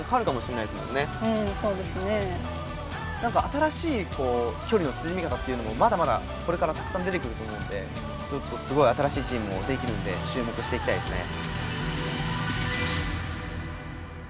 何か新しいこう距離の縮め方っていうのもまだまだこれからたくさん出てくると思うんでちょっとすごい新しいチームも出来るんで注目していきたいですね。